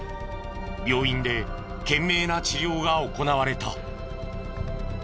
病院で懸命な治療が行われた。